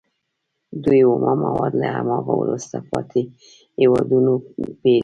دوی اومه مواد له هماغو وروسته پاتې هېوادونو پېري